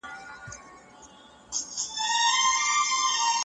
د سياست پوهني زده کړه ډېره اړينه ده.